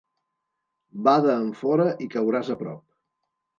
Bada enfora i cauràs a prop.